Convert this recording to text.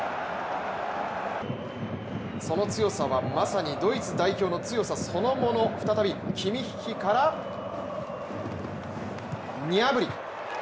その強さはまさにドイツ代表の強さそのもの、再び、キミッヒからニャブリ。